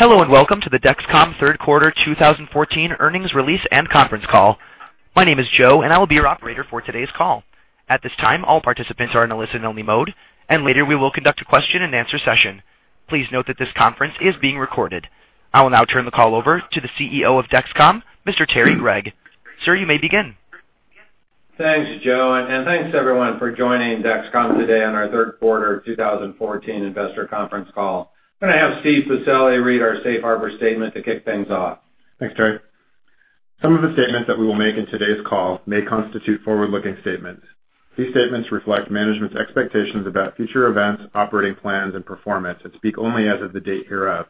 Hello, and welcome to the Dexcom third quarter 2014 earnings release and conference call. My name is Joe, and I will be your operator for today's call. At this time, all participants are in a listen-only mode, and later we will conduct a question-and-answer session. Please note that this conference is being recorded. I will now turn the call over to the CEO of Dexcom, Mr. Terry Gregg. Sir, you may begin. Thanks, Joe, and thanks, everyone for joining Dexcom today on our third quarter of 2014 investor conference call. I'm gonna have Steven Pacelli read our safe harbor statement to kick things off. Thanks, Terry. Some of the statements that we will make in today's call may constitute forward-looking statements. These statements reflect management's expectations about future events, operating plans, and performance and speak only as of the date hereof.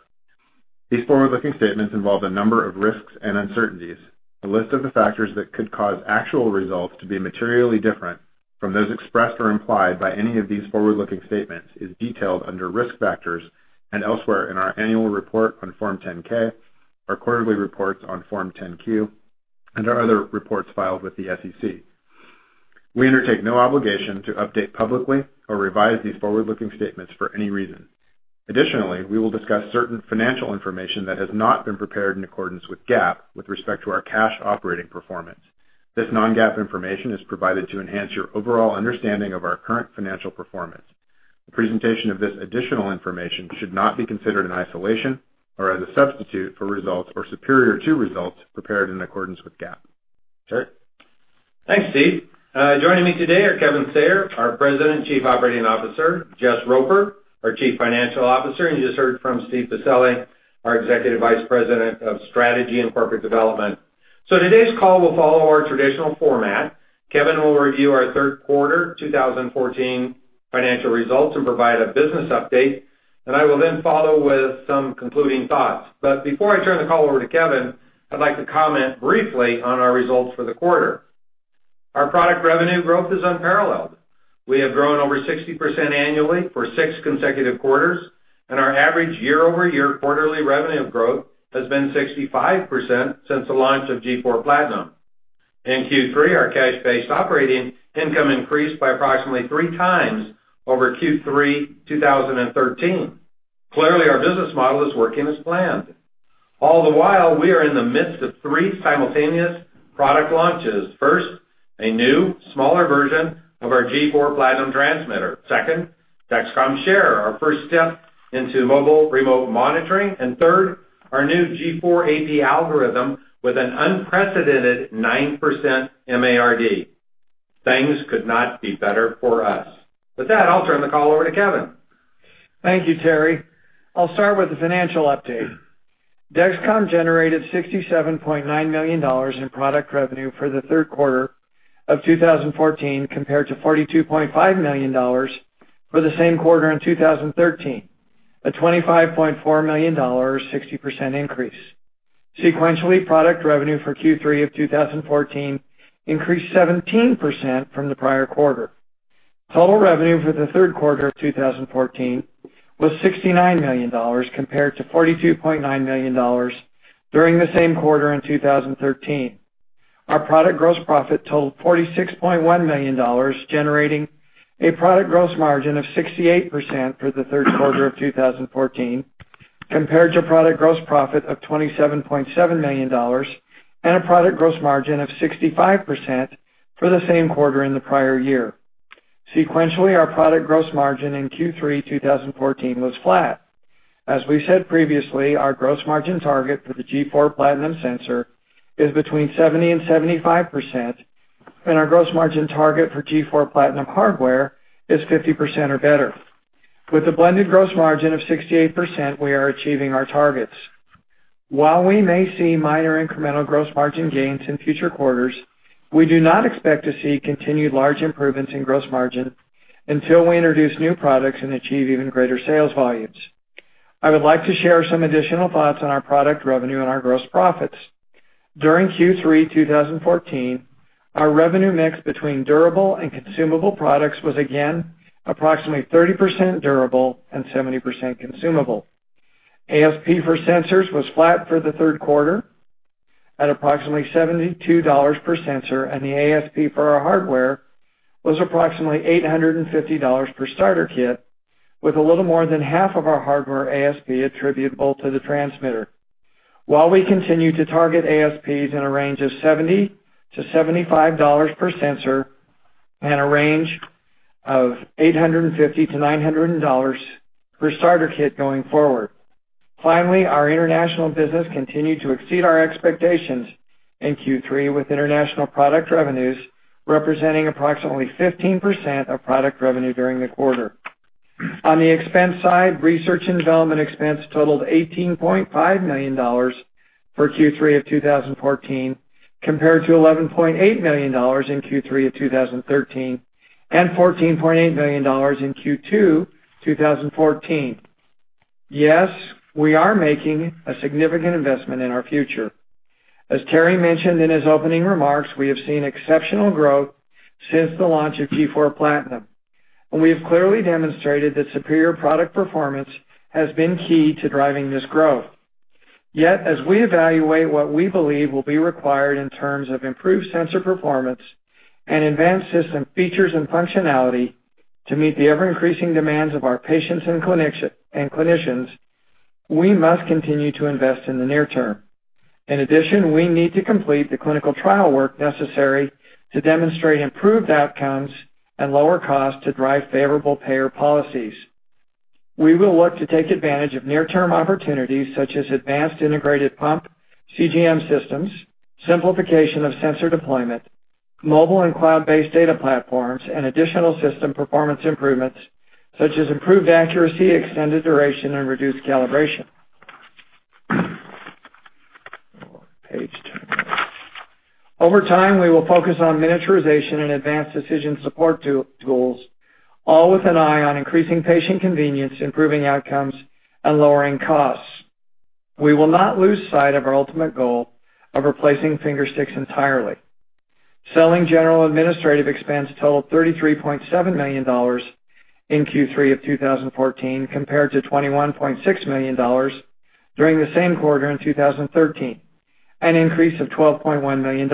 These forward-looking statements involve a number of risks and uncertainties. A list of the factors that could cause actual results to be materially different from those expressed or implied by any of these forward-looking statements is detailed under Risk Factors and elsewhere in our annual report on Form 10-K, our quarterly reports on Form 10-Q, and our other reports filed with the SEC. We undertake no obligation to update publicly or revise these forward-looking statements for any reason. Additionally, we will discuss certain financial information that has not been prepared in accordance with GAAP with respect to our cash operating performance. This non-GAAP information is provided to enhance your overall understanding of our current financial performance. The presentation of this additional information should not be considered in isolation or as a substitute for results or superior to results prepared in accordance with GAAP. Terry? Thanks, Steve. Joining me today are Kevin Sayer, our President and Chief Operating Officer, Jess Roper, our Chief Financial Officer, and you just heard from Steven Pacelli, our Executive Vice President of Strategy and Corporate Development. Today's call will follow our traditional format. Kevin will review our third quarter 2014 financial results and provide a business update, and I will then follow with some concluding thoughts. Before I turn the call over to Kevin, I'd like to comment briefly on our results for the quarter. Our product revenue growth is unparalleled. We have grown over 60% annually for six consecutive quarters, and our average year-over-year quarterly revenue growth has been 65% since the launch of G4 Platinum. In Q3, our cash-based operating income increased by approximately 3x over Q3 2013. Clearly, our business model is working as planned. All the while, we are in the midst of three simultaneous product launches. First, a new, smaller version of our G4 Platinum transmitter. Second, Dexcom Share, our first step into mobile remote monitoring. Third, our new G4 AP algorithm with an unprecedented 9% MARD. Things could not be better for us. With that, I'll turn the call over to Kevin. Thank you, Terry. I'll start with the financial update. Dexcom generated $67.9 million in product revenue for the third quarter of 2014 compared to $42.5 million for the same quarter in 2013, a $25.4 million or 60% increase. Sequentially, product revenue for Q3 of 2014 increased 17% from the prior quarter. Total revenue for the third quarter of 2014 was $69 million compared to $42.9 million during the same quarter in 2013. Our product gross profit totaled $46.1 million, generating a product gross margin of 68% for the third quarter of 2014 compared to product gross profit of $27.7 million and a product gross margin of 65% for the same quarter in the prior year. Sequentially, our product gross margin in Q3 2014 was flat. As we said previously, our gross margin target for the G4 Platinum sensor is between 70% and 75%, and our gross margin target for G4 Platinum hardware is 50% or better. With a blended gross margin of 68%, we are achieving our targets. While we may see minor incremental gross margin gains in future quarters, we do not expect to see continued large improvements in gross margin until we introduce new products and achieve even greater sales volumes. I would like to share some additional thoughts on our product revenue and our gross profits. During Q3 2014, our revenue mix between durable and consumable products was again approximately 30% durable and 70% consumable. ASP for sensors was flat for the third quarter at approximately $72 per sensor, and the ASP for our hardware was approximately $850 per starter kit, with a little more than half of our hardware ASP attributable to the transmitter. While we continue to target ASPs in a range of $70-$75 per sensor and a range of $850-$900 per starter kit going forward. Finally, our international business continued to exceed our expectations in Q3, with international product revenues representing approximately 15% of product revenue during the quarter. On the expense side, research and development expense totaled $18.5 million for Q3 of 2014 compared to $11.8 million in Q3 of 2013 and $14.8 million in Q2 2014. Yes, we are making a significant investment in our future. As Terry mentioned in his opening remarks, we have seen exceptional growth since the launch of G4 Platinum, and we have clearly demonstrated that superior product performance has been key to driving this growth. Yet, as we evaluate what we believe will be required in terms of improved sensor performance and advanced system features and functionality to meet the ever-increasing demands of our patients and clinicians, we must continue to invest in the near term. In addition, we need to complete the clinical trial work necessary to demonstrate improved outcomes and lower costs to drive favorable payer policies. We will look to take advantage of near-term opportunities such as advanced integrated pump CGM systems, simplification of sensor deployment, mobile and cloud-based data platforms, and additional system performance improvements such as improved accuracy, extended duration, and reduced calibration. Page two. Over time, we will focus on miniaturization and advanced decision support tools, all with an eye on increasing patient convenience, improving outcomes, and lowering costs. We will not lose sight of our ultimate goal of replacing finger sticks entirely. Selling, general, administrative expense totaled $33.7 million in Q3 of 2014, compared to $21.6 million during the same quarter in 2013, an increase of $12.1 million.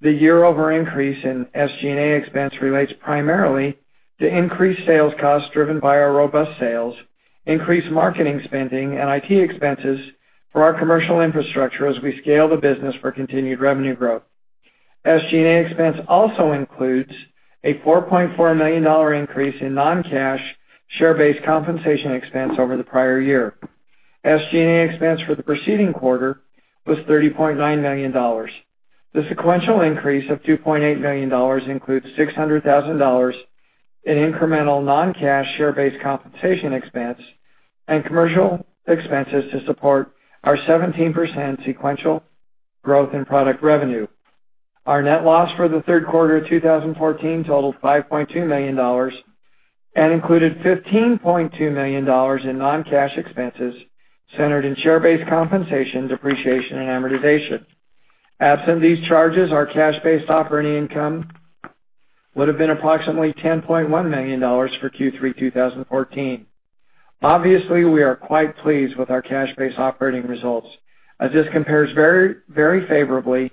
The year-over-year increase in SG&A expense relates primarily to increased sales costs driven by our robust sales, increased marketing spending, and IT expenses for our commercial infrastructure as we scale the business for continued revenue growth. SG&A expense also includes a $4.4 million increase in non-cash share-based compensation expense over the prior year. SG&A expense for the preceding quarter was $30.9 million. The sequential increase of $2.8 million includes $600,000 in incremental non-cash share-based compensation expense and commercial expenses to support our 17% sequential growth in product revenue. Our net loss for the third quarter 2014 totaled $5.2 million and included $15.2 million in non-cash expenses centered in share-based compensation, depreciation, and amortization. Absent these charges, our cash-based operating income would have been approximately $10.1 million for Q3 2014. Obviously, we are quite pleased with our cash-based operating results, as this compares very, very favorably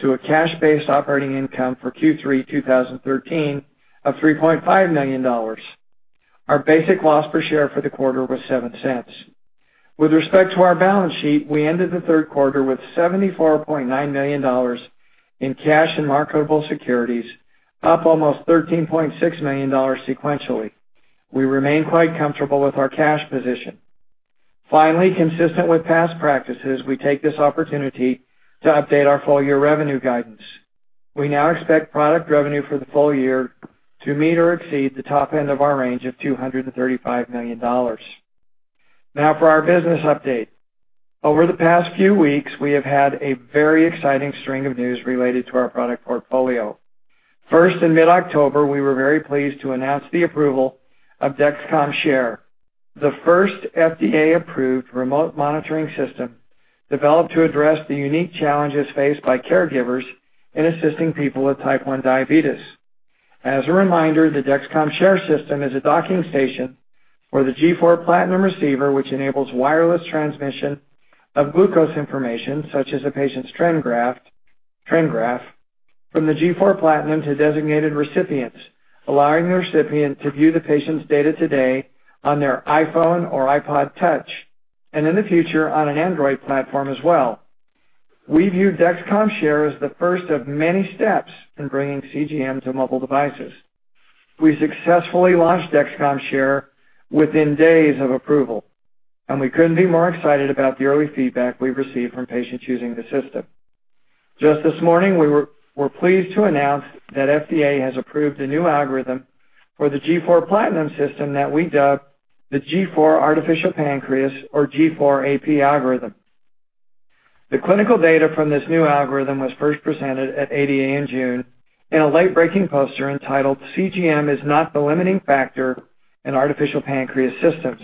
to a cash-based operating income for Q3 2013 of $3.5 million. Our basic loss per share for the quarter was $0.07. With respect to our balance sheet, we ended the third quarter with $74.9 million in cash and marketable securities, up almost $13.6 million sequentially. We remain quite comfortable with our cash position. Finally, consistent with past practices, we take this opportunity to update our full year revenue guidance. We now expect product revenue for the full year to meet or exceed the top end of our range of $235 million. Now for our business update. Over the past few weeks, we have had a very exciting string of news related to our product portfolio. First, in mid-October, we were very pleased to announce the approval of Dexcom Share, the first FDA-approved remote monitoring system developed to address the unique challenges faced by caregivers in assisting people with Type 1 diabetes. As a reminder, the Dexcom Share system is a docking station for the G4 PLATINUM receiver, which enables wireless transmission of glucose information, such as a patient's trend graph, from the G4 PLATINUM to designated recipients, allowing the recipient to view the patient's data today on their iPhone or iPod touch, and in the future, on an Android platform as well. We view Dexcom Share as the first of many steps in bringing CGM to mobile devices. We successfully launched Dexcom Share within days of approval, and we couldn't be more excited about the early feedback we've received from patients using the system. Just this morning, we were pleased to announce that FDA has approved a new algorithm for the G4 Platinum system that we dubbed the G4 Artificial Pancreas or G4 AP algorithm. The clinical data from this new algorithm was first presented at ADA in June in a late-breaking poster entitled "CGM Is Not the Limiting Factor in Artificial Pancreas Systems."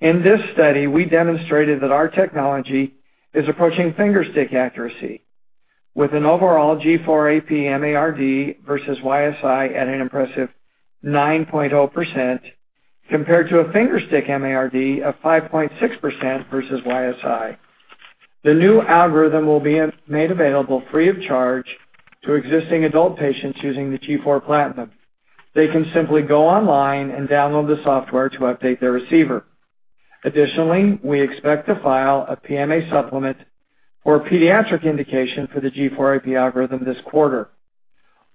In this study, we demonstrated that our technology is approaching finger stick accuracy with an overall G4 AP MARD versus YSI at an impressive 9.0% compared to a finger stick MARD of 5.6% versus YSI. The new algorithm will be made available free of charge to existing adult patients using the G4 Platinum. They can simply go online and download the software to update their receiver. Additionally, we expect to file a PMA supplement for pediatric indication for the G4 AP algorithm this quarter.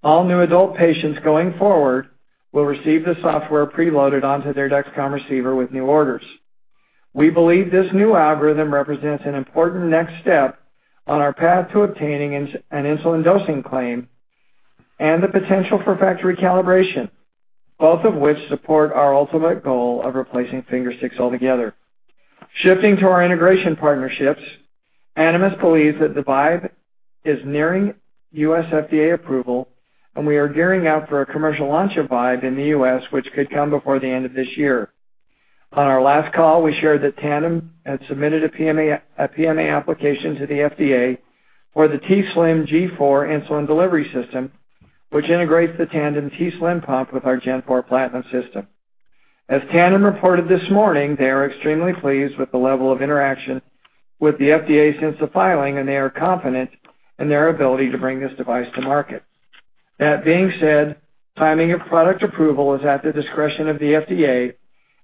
All new adult patients going forward will receive the software preloaded onto their Dexcom receiver with new orders. We believe this new algorithm represents an important next step on our path to obtaining an insulin dosing claim and the potential for factory calibration, both of which support our ultimate goal of replacing finger sticks altogether. Shifting to our integration partnerships, Animas believes that the Vibe is nearing US FDA approval, and we are gearing up for a commercial launch of Vibe in the US, which could come before the end of this year. On our last call, we shared that Tandem had submitted a PMA, a PMA application to the FDA for the t:slim G4 insulin delivery system, which integrates the Tandem t:slim pump with our G4 Platinum system. As Tandem reported this morning, they are extremely pleased with the level of interaction with the FDA since the filing, and they are confident in their ability to bring this device to market. That being said, timing of product approval is at the discretion of the FDA,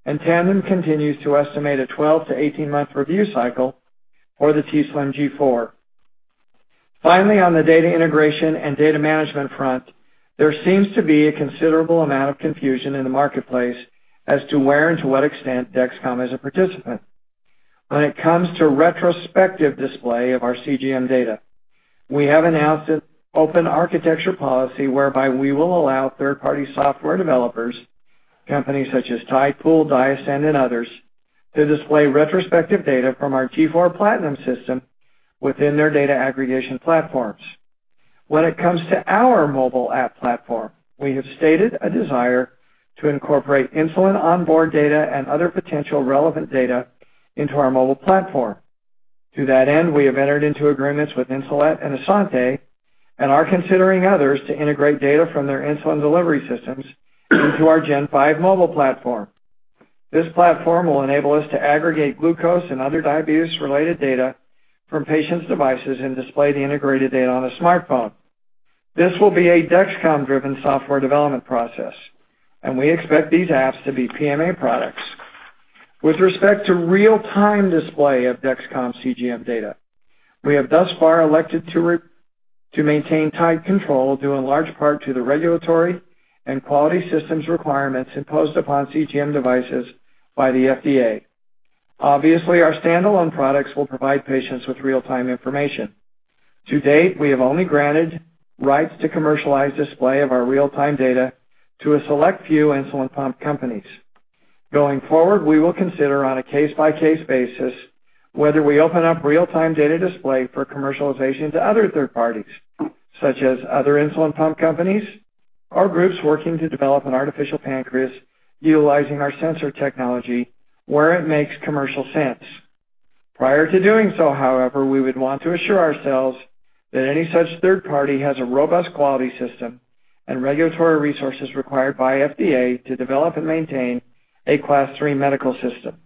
and Tandem continues to estimate a 12- to 18-month review cycle for the t:slim G4. Finally, on the data integration and data management front, there seems to be a considerable amount of confusion in the marketplace as to where and to what extent Dexcom is a participant. When it comes to retrospective display of our CGM data, we have announced an open architecture policy whereby we will allow third-party software developers, companies such as Tidepool, Diasend, and others, to display retrospective data from our G4 PLATINUM system within their data aggregation platforms. When it comes to our mobile app platform, we have stated a desire to incorporate insulin onboard data and other potential relevant data into our mobile platform. To that end, we have entered into agreements with Insulet and Asante, and are considering others to integrate data from their insulin delivery systems into our G5 mobile platform. This platform will enable us to aggregate glucose and other diabetes-related data from patients' devices and display the integrated data on a smartphone. This will be a Dexcom-driven software development process, and we expect these apps to be PMA products. With respect to real-time display of Dexcom CGM data, we have thus far elected to maintain tight control, due in large part to the regulatory and quality systems requirements imposed upon CGM devices by the FDA. Obviously, our standalone products will provide patients with real-time information. To date, we have only granted rights to commercialize display of our real-time data to a select few insulin pump companies. Going forward, we will consider on a case-by-case basis whether we open up real-time data display for commercialization to other third parties, such as other insulin pump companies or groups working to develop an artificial pancreas utilizing our sensor technology where it makes commercial sense. Prior to doing so, however, we would want to assure ourselves that any such third party has a robust quality system and regulatory resources required by FDA to develop and maintain a Class III medical system.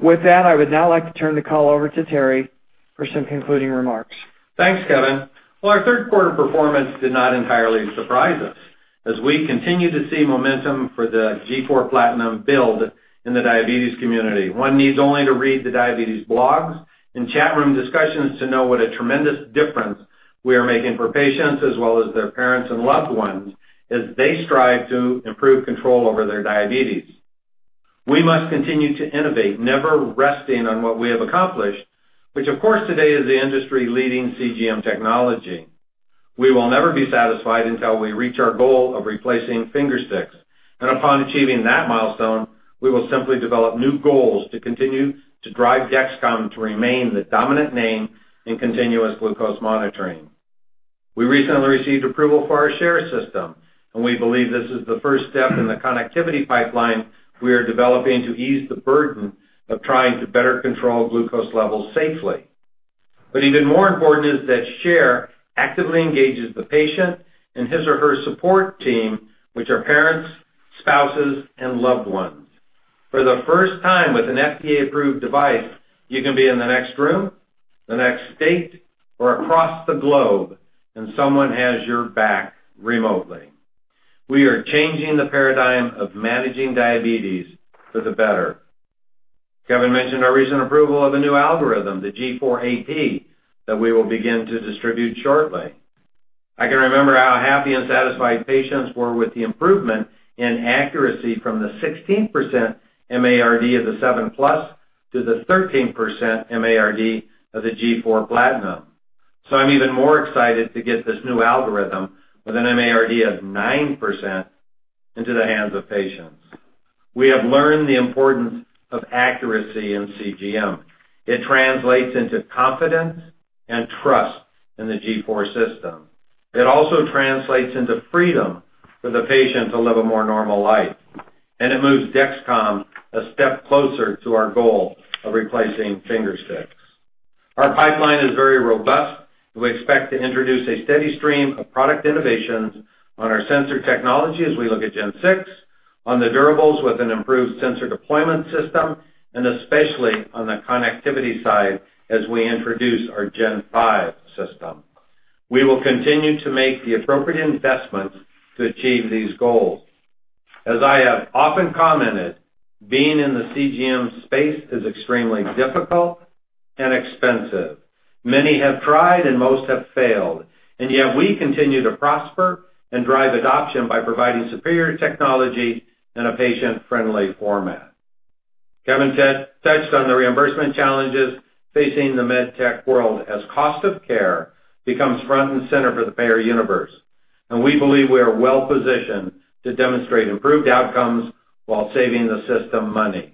With that, I would now like to turn the call over to Terry for some concluding remarks. Thanks, Kevin. Well, our third quarter performance did not entirely surprise us as we continue to see momentum for the G4 Platinum build in the diabetes community. One needs only to read the diabetes blogs and chat room discussions to know what a tremendous difference we are making for patients as well as their parents and loved ones as they strive to improve control over their diabetes. We must continue to innovate, never resting on what we have accomplished, which of course, today is the industry-leading CGM technology. We will never be satisfied until we reach our goal of replacing finger sticks, and upon achieving that milestone, we will simply develop new goals to continue to drive Dexcom to remain the dominant name in continuous glucose monitoring. We recently received approval for our Share system, and we believe this is the first step in the connectivity pipeline we are developing to ease the burden of trying to better control glucose levels safely. Even more important is that Share actively engages the patient and his or her support team, which are parents, spouses, and loved ones. For the first time with an FDA-approved device, you can be in the next room, the next state, or across the globe and someone has your back remotely. We are changing the paradigm of managing diabetes for the better. Kevin mentioned our recent approval of a new algorithm, the G4 AP, that we will begin to distribute shortly. I can remember how happy and satisfied patients were with the improvement in accuracy from the 16% MARD of the 7+ to the 13% MARD of the G4 Platinum. I'm even more excited to get this new algorithm with an MARD of 9% into the hands of patients. We have learned the importance of accuracy in CGM. It translates into confidence and trust in the G4 system. It also translates into freedom for the patient to live a more normal life, and it moves Dexcom a step closer to our goal of replacing finger sticks. Our pipeline is very robust, and we expect to introduce a steady stream of product innovations on our sensor technology as we look at G6, on the durables with an improved sensor deployment system, and especially on the connectivity side as we introduce our G5 system. We will continue to make the appropriate investments to achieve these goals. As I have often commented, being in the CGM space is extremely difficult and expensive. Many have tried, and most have failed, and yet we continue to prosper and drive adoption by providing superior technology in a patient-friendly format. Kevin touched on the reimbursement challenges facing the med tech world as cost of care becomes front and center for the payer universe, and we believe we are well-positioned to demonstrate improved outcomes while saving the system money.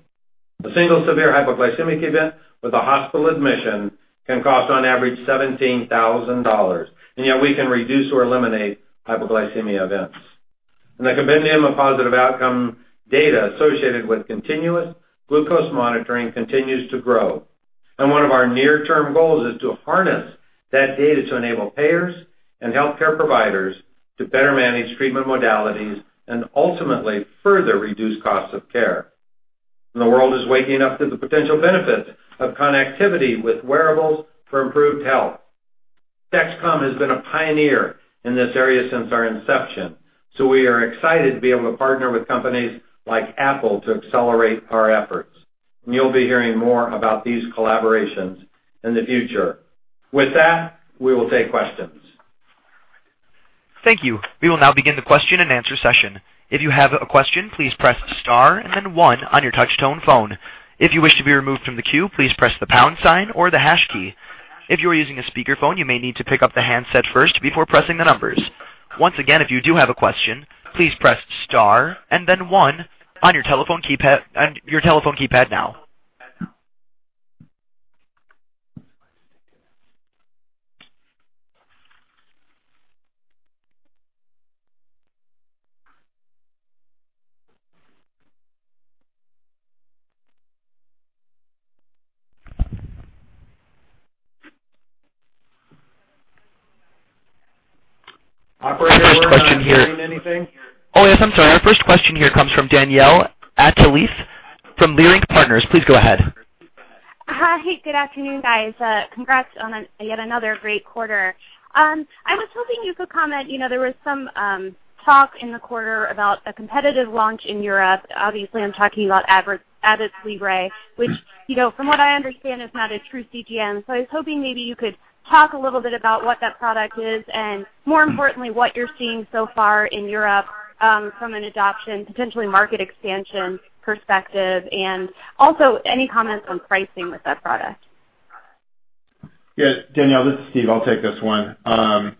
A single severe hypoglycemic event with a hospital admission can cost on average $17,000, and yet we can reduce or eliminate hypoglycemia events. The compendium of positive outcome data associated with continuous glucose monitoring continues to grow. One of our near-term goals is to harness that data to enable payers and healthcare providers to better manage treatment modalities and ultimately further reduce costs of care. The world is waking up to the potential benefits of connectivity with wearables for improved health. Dexcom has been a pioneer in this area since our inception, so we are excited to be able to partner with companies like Apple to accelerate our efforts. You'll be hearing more about these collaborations in the future. With that, we will take questions. Thank you. We will now begin the question-and-answer session. If you have a question, please press star and then one on your touch-tone phone. If you wish to be removed from the queue, please press the pound sign or the hash key. If you are using a speakerphone, you may need to pick up the handset first before pressing the numbers. Once again, if you do have a question, please press star and then one on your telephone keypad now. Operator, we're not hearing anything. Oh, yes. I'm sorry. Our first question here comes from Danielle Antalffy from Leerink Partners. Please go ahead. Hi. Good afternoon, guys. Congrats on yet another great quarter. I was hoping you could comment, you know, there was some talk in the quarter about a competitive launch in Europe. Obviously, I'm talking about Abbott's Libre, which, you know, from what I understand, is not a true CGM. I was hoping maybe you could talk a little bit about what that product is and more importantly, what you're seeing so far in Europe, from an adoption, potentially market expansion perspective. Also any comments on pricing with that product. Yes, Danielle, this is Steve. I'll take this one.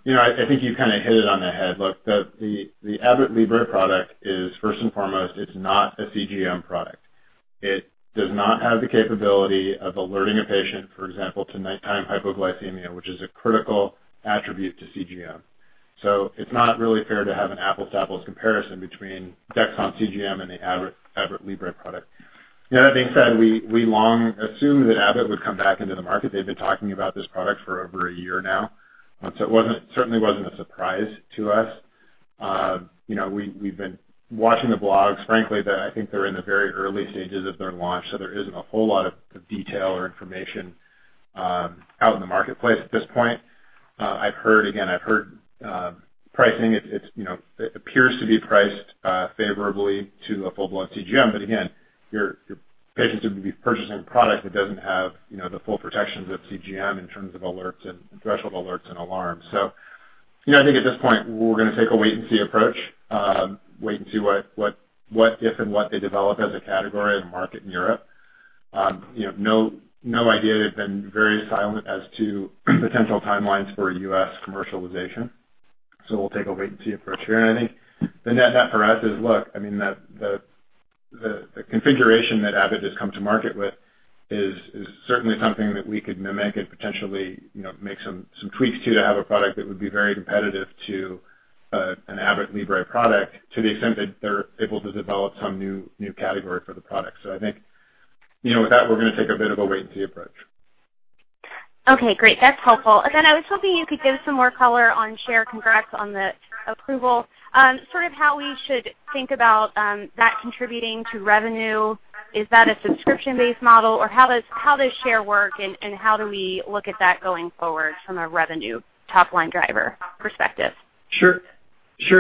You know, I think you kind of hit it on the head. Look, the FreeStyle Libre product is first and foremost, it's not a CGM product. It does not have the capability of alerting a patient, for example, to nighttime hypoglycemia, which is a critical attribute to CGM. It's not really fair to have an apples to apples comparison between Dexcom CGM and the FreeStyle Libre product. That being said, we long assumed that Abbott would come back into the market. They've been talking about this product for over a year now. It certainly wasn't a surprise to us. You know, we've been watching the blogs, frankly, but I think they're in the very early stages of their launch, so there isn't a whole lot of detail or information out in the marketplace at this point. I've heard pricing. It's, you know, it appears to be priced favorably to a full-blown CGM. But again, your patients would be purchasing a product that doesn't have, you know, the full protections of CGM in terms of alerts and threshold alerts and alarms. You know, I think at this point, we're gonna take a wait and see approach, wait and see what if and what they develop as a category and market in Europe. You know, no idea. They've been very silent as to potential timelines for a US commercialization. We'll take a wait and see approach here. I think the net net for us is, look, I mean, the configuration that Abbott has come to market with is certainly something that we could mimic and potentially, you know, make some tweaks to have a product that would be very competitive to an Abbott Libre product, to the extent that they're able to develop some new category for the product. I think, you know, with that, we're gonna take a bit of a wait and see approach. Okay, great. That's helpful. I was hoping you could give some more color on Share. Congrats on the approval, sort of how we should think about that contributing to revenue. Is that a subscription-based model? Or how does Share work and how do we look at that going forward from a revenue top line driver perspective? Sure,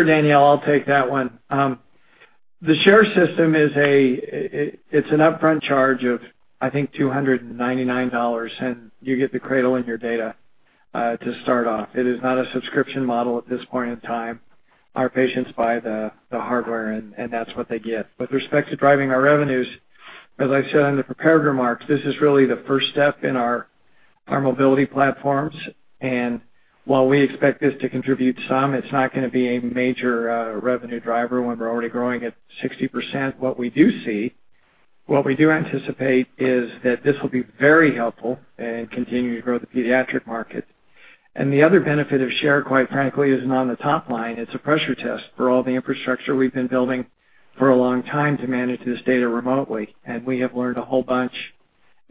Danielle, I'll take that one. The Share system is. It's an upfront charge of, I think, $299, and you get the cloud and your data to start off. It is not a subscription model at this point in time. Our patients buy the hardware and that's what they get. With respect to driving our revenues, as I said in the prepared remarks, this is really the first step in our mobile platforms. While we expect this to contribute some, it's not gonna be a major revenue driver when we're already growing at 60%. What we do see, what we do anticipate is that this will be very helpful and continue to grow the pediatric market. The other benefit of Share, quite frankly, isn't on the top line. It's a pressure test for all the infrastructure we've been building for a long time to manage this data remotely. We have learned a whole bunch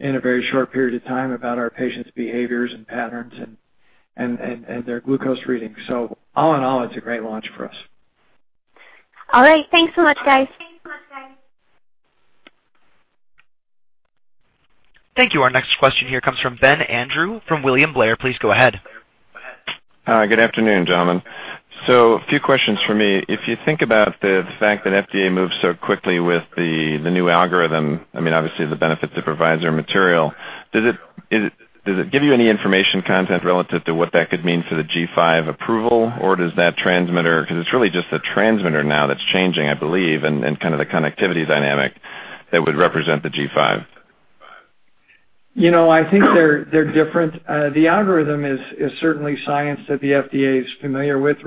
in a very short period of time about our patients' behaviors and patterns and their glucose readings. All in all, it's a great launch for us. All right. Thanks so much, guys. Thank you. Our next question here comes from Ben Andrew from William Blair. Please go ahead. Hi. Good afternoon, gentlemen. A few questions from me. If you think about the fact that FDA moves so quickly with the new algorithm, I mean, obviously the benefits it provides are material. Does it give you any information content relative to what that could mean for the G5 approval? Or does that transmitter, because it's really just a transmitter now that's changing, I believe, and kind of the connectivity dynamic that would represent the G5. You know, I think they're different. The algorithm is certainly science that the FDA is familiar with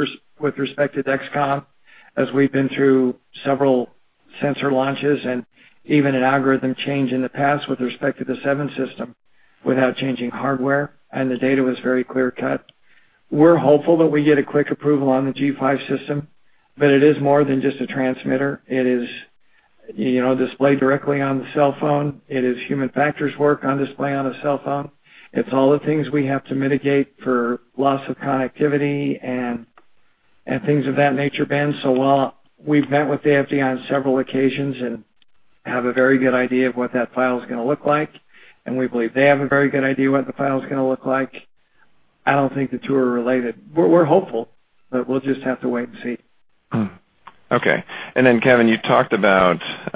respect to Dexcom, as we've been through several sensor launches and even an algorithm change in the past with respect to the seven system without changing hardware, and the data was very clear cut. We're hopeful that we get a quick approval on the G5 system, but it is more than just a transmitter. It is, you know, display directly on the cell phone. It is human factors work on display on a cell phone. It's all the things we have to mitigate for loss of connectivity and things of that nature, Ben. While we've met with the FDA on several occasions and have a very good idea of what that file is gonna look like, and we believe they have a very good idea what the file is gonna look like, I don't think the two are related. We're hopeful, but we'll just have to wait and see. Okay. Then Kevin, you talked about, you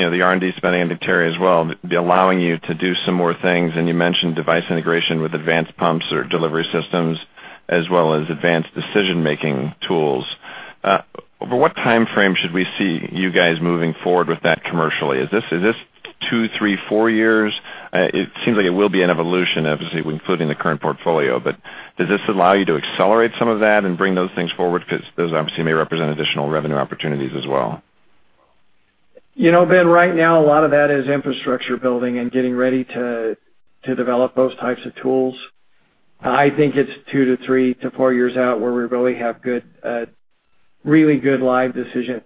know, the R&D spending and to Terry as well, being allowing you to do some more things. You mentioned device integration with advanced pumps or delivery systems as well as advanced decision-making tools. Over what timeframe should we see you guys moving forward with that commercially? Is this two, three, four years? It seems like it will be an evolution, obviously, including the current portfolio. Does this allow you to accelerate some of that and bring those things forward? 'Cause those obviously may represent additional revenue opportunities as well. You know, Ben, right now, a lot of that is infrastructure building and getting ready to develop those types of tools. I think it's two to three to four years out where we really have good, really good live decision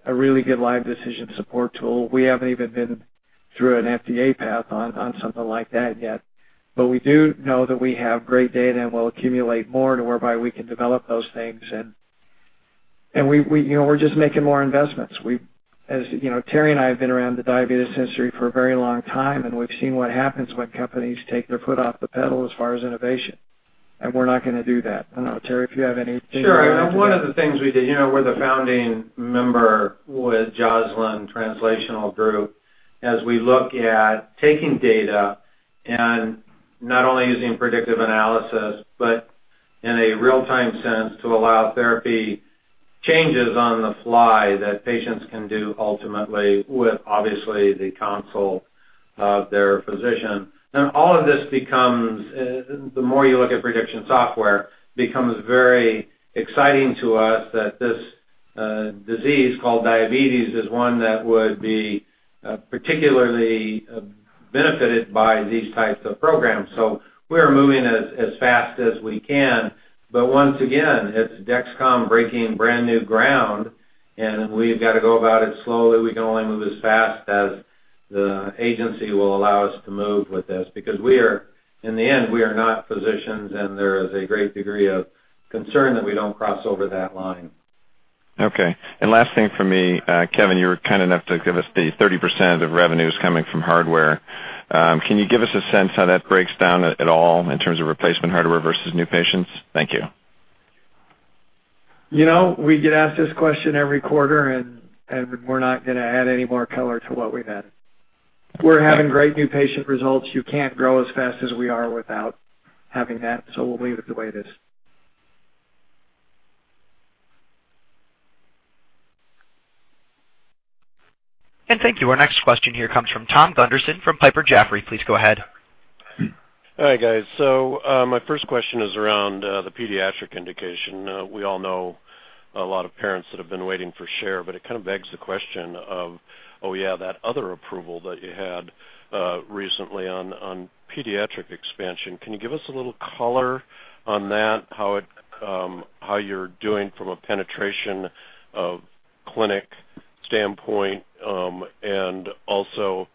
support tool. We haven't even been through an FDA path on something like that yet. We do know that we have great data, and we'll accumulate more to whereby we can develop those things. You know, we're just making more investments. We've, as you know, Terry and I have been around the diabetes industry for a very long time, and we've seen what happens when companies take their foot off the pedal as far as innovation, and we're not gonna do that. I don't know, Terry, if you have anything to add to that. Sure. One of the things we did, you know, we're the founding member with Joslin Diabetes Center. As we look at taking data and not only using predictive analysis, but in a real-time sense to allow therapy changes on the fly that patients can do ultimately with obviously the counsel of their physician. All of this becomes, the more you look at prediction software, becomes very exciting to us that this, disease called diabetes is one that would be, particularly benefited by these types of programs. We're moving as fast as we can. Once again, it's Dexcom breaking brand new ground, and we've gotta go about it slowly. We can only move as fast as the agency will allow us to move with this because in the end, we are not physicians, and there is a great degree of concern that we don't cross over that line. Okay. Last thing for me, Kevin, you were kind enough to give us the 30% of revenues coming from hardware. Can you give us a sense how that breaks down at all in terms of replacement hardware versus new patients? Thank you. You know, we get asked this question every quarter, and we're not gonna add any more color to what we've added. We're having great new patient results. You can't grow as fast as we are without having that, so we'll leave it the way it is. Thank you. Our next question here comes from Tom Gunderson from Piper Jaffray. Please go ahead. Hi, guys. My first question is around the pediatric indication. We all know a lot of parents that have been waiting for Share, but it kind of begs the question of, oh, yeah, that other approval that you had recently on pediatric expansion. Can you give us a little color on that, how you're doing from a penetration of clinic standpoint? Also,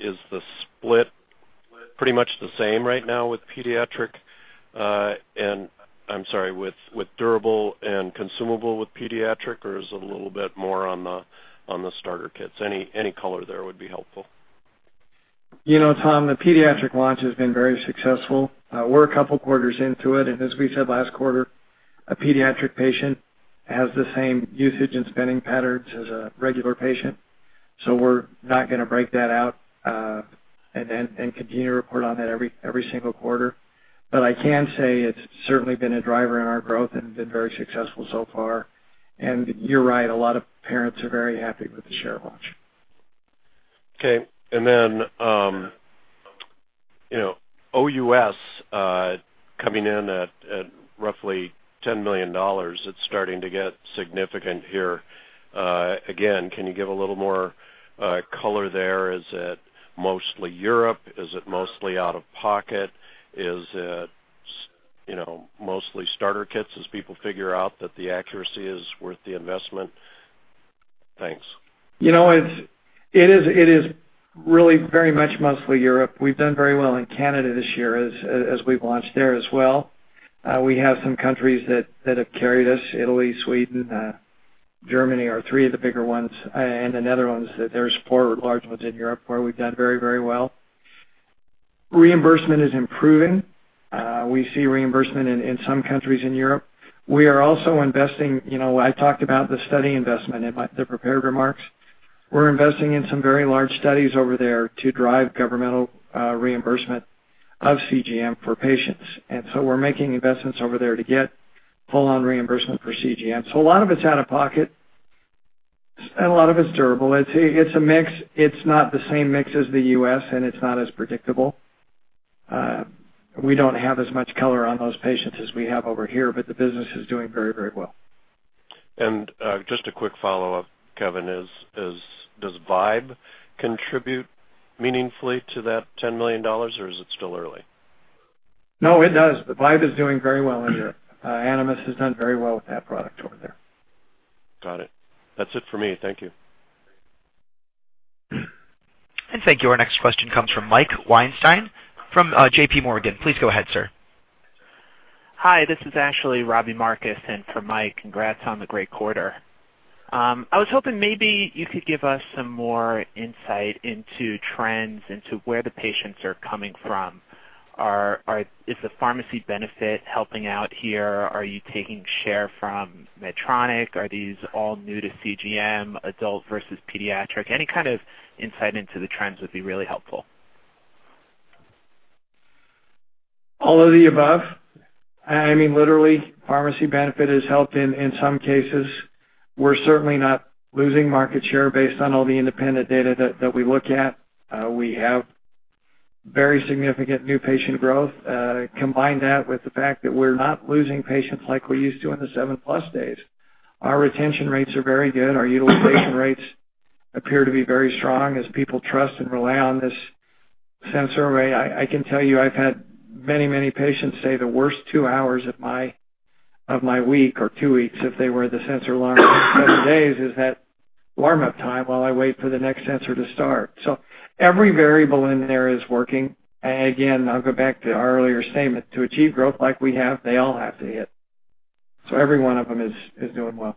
is the split pretty much the same right now with pediatric? I'm sorry, with durable and consumable with pediatric, or is it a little bit more on the starter kits? Any color there would be helpful. You know, Tom, the pediatric launch has been very successful. We're a couple quarters into it. As we said last quarter, a pediatric patient has the same usage and spending patterns as a regular patient, so we're not gonna break that out, and continue to report on that every single quarter. I can say it's certainly been a driver in our growth and been very successful so far. You're right, a lot of parents are very happy with the Share watch. Okay. You know, OUS coming in at roughly $10 million, it's starting to get significant here. Again, can you give a little more color there? Is it mostly Europe? Is it mostly out of pocket? Is it, you know, mostly starter kits as people figure out that the accuracy is worth the investment? Thanks. You know, it is really very much mostly Europe. We've done very well in Canada this year as we've launched there as well. We have some countries that have carried us, Italy, Sweden, Germany are three of the bigger ones, and the Netherlands. There's four large ones in Europe where we've done very well. Reimbursement is improving. We see reimbursement in some countries in Europe. We are also investing, you know, I talked about the study investment in the prepared remarks. We're investing in some very large studies over there to drive governmental reimbursement of CGM for patients. We're making investments over there to get full-on reimbursement for CGM. A lot of it's out of pocket, and a lot of it's durable. It's a mix. It's not the same mix as the US, and it's not as predictable. We don't have as much color on those patients as we have over here, but the business is doing very, very well. Just a quick follow-up, Kevin. Does Vibe contribute meaningfully to that $10 million, or is it still early? No, it does. The Vibe is doing very well in there. Animas has done very well with that product over there. Got it. That's it for me. Thank you. Thank you. Our next question comes from Mike Weinstein from J.P. Morgan. Please go ahead, sir. Hi, this is actually Robbie Marcus in for Mike. Congrats on the great quarter. I was hoping maybe you could give us some more insight into trends into where the patients are coming from. Is the pharmacy benefit helping out here? Are you taking share from Medtronic? Are these all new to CGM, adult versus pediatric? Any kind of insight into the trends would be really helpful. All of the above. I mean, literally, pharmacy benefit has helped in some cases. We're certainly not losing market share based on all the independent data that we look at. We have very significant new patient growth. Combine that with the fact that we're not losing patients like we used to in the Seven Plus days. Our retention rates are very good. Our utilization rates appear to be very strong as people trust and rely on this sensor array. I can tell you I've had many patients say the worst two hours of my week or two weeks if they wore the sensor longer than seven days is that warm-up time while I wait for the next sensor to start. Every variable in there is working. Again, I'll go back to our earlier statement. To achieve growth like we have, they all have to hit. Every one of them is doing well.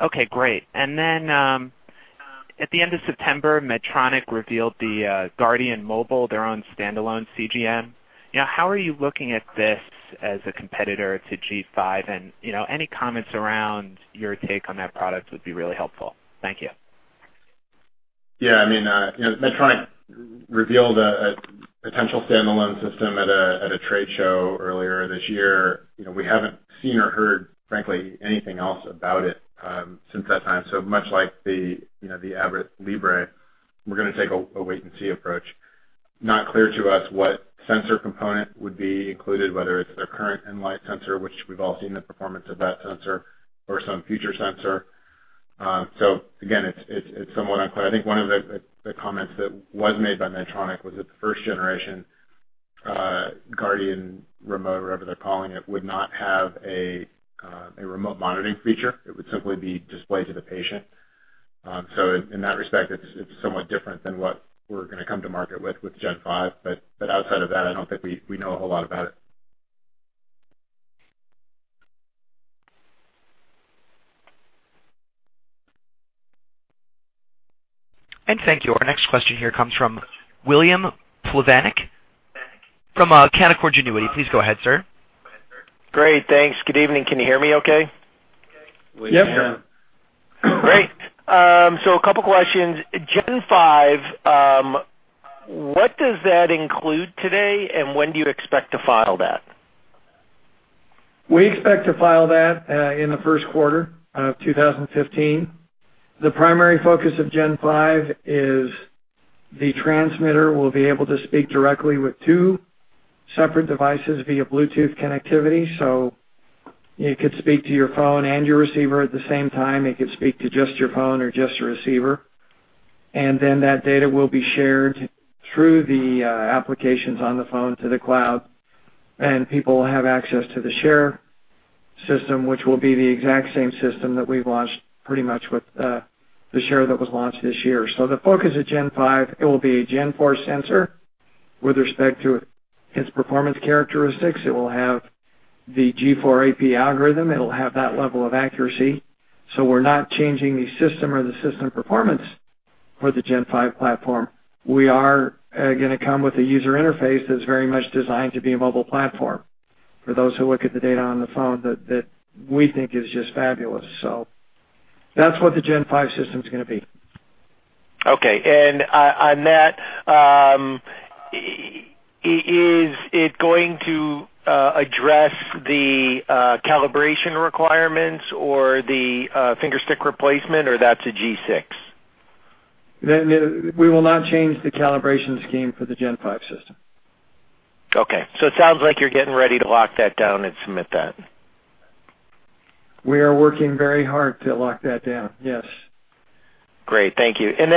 Okay, great. At the end of September, Medtronic revealed the Guardian Connect, their own standalone CGM. You know, how are you looking at this as a competitor to G5? You know, any comments around your take on that product would be really helpful. Thank you. Yeah. I mean, you know, Medtronic revealed a potential standalone system at a trade show earlier this year. You know, we haven't seen or heard, frankly, anything else about it, since that time. Much like the Abbott Libre, we're gonna take a wait-and-see approach. Not clear to us what sensor component would be included, whether it's their current Enlite sensor, which we've all seen the performance of that sensor or some future sensor. Again, it's somewhat unclear. I think one of the comments that was made by Medtronic was that the first generation Guardian Remote, or whatever they're calling it, would not have a remote monitoring feature. It would simply be displayed to the patient. In that respect, it's somewhat different than what we're gonna come to market with G5. Outside of that, I don't think we know a whole lot about it. Thank you. Our next question here comes from Bill Plovanic from Canaccord Genuity. Please go ahead, sir. Great. Thanks. Good evening. Can you hear me okay? Yes. We can. Great. A couple questions. G5, what does that include today, and when do you expect to file that? We expect to file that in the first quarter of 2015. The primary focus of G5 is the transmitter will be able to speak directly with two separate devices via Bluetooth connectivity. It could speak to your phone and your receiver at the same time. It could speak to just your phone or just your receiver. Then that data will be shared through the applications on the phone to the cloud, and people will have access to the Share system, which will be the exact same system that we've launched pretty much with the Share that was launched this year. The focus of G5, it will be a G4 sensor with respect to its performance characteristics. It will have the G4AP algorithm. It'll have that level of accuracy. We're not changing the system or the system performance for the G5 platform. We are gonna come with a user interface that's very much designed to be a mobile platform for those who look at the data on the phone, that we think is just fabulous. That's what the G5 system's gonna be. Okay. On that, is it going to address the calibration requirements or the finger stick replacement, or that's a G6? We will not change the calibration scheme for the G5 system. Okay. It sounds like you're getting ready to lock that down and submit that. We are working very hard to lock that down. Yes. Great. Thank you. On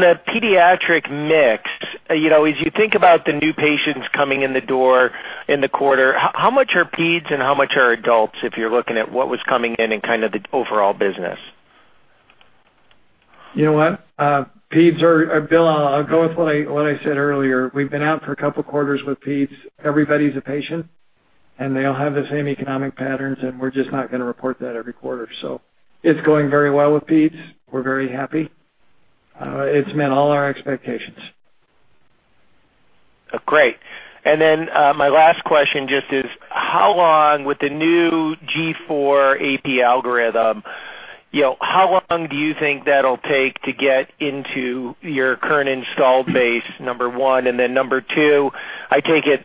the pediatric mix, you know, as you think about the new patients coming in the door in the quarter, how much are peds and how much are adults if you're looking at what was coming in kind of the overall business? You know what? Peds, Bill, I'll go with what I said earlier. We've been out for a couple quarters with peds. Everybody's a patient, and they all have the same economic patterns, and we're just not gonna report that every quarter. It's going very well with peds. We're very happy. It's met all our expectations. Great. My last question just is how long with the new G4 AP algorithm, you know, how long do you think that'll take to get into your current installed base, number one? Number two, I take it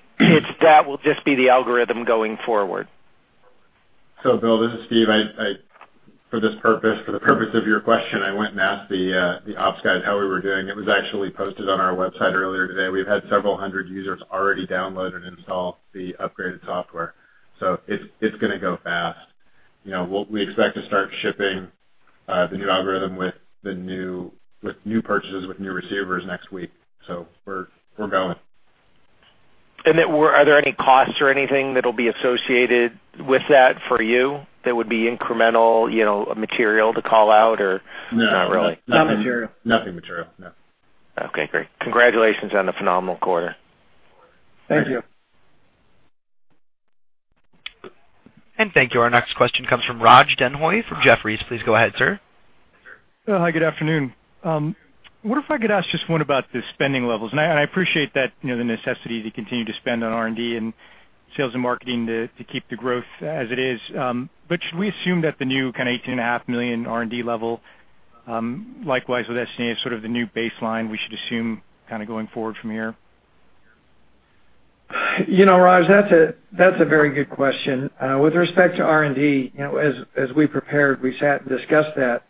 that will just be the algorithm going forward. Bill, this is Steve. I for this purpose, for the purpose of your question, I went and asked the ops guys how we were doing. It was actually posted on our website earlier today. We've had several hundred users already download and install the upgraded software. It's gonna go fast. You know, we expect to start shipping the new algorithm with new purchases, with new receivers next week. We're going. Are there any costs or anything that'll be associated with that for you that would be incremental, you know, material to call out or not really? No. Not material. Nothing material, no. Okay, great. Congratulations on the phenomenal quarter. Thank you. Thank you. Thank you. Our next question comes from Raj Denhoy from Jefferies. Please go ahead, sir. Hi, good afternoon. What if I could ask just one about the spending levels. I appreciate that, you know, the necessity to continue to spend on R&D and sales and marketing to keep the growth as it is. But should we assume that the new kind of $18.5 million R&D level, likewise with SG&A, is sort of the new baseline we should assume kinda going forward from here? You know, Raj, that's a very good question. With respect to R&D, you know, as we prepared, we sat and discussed that.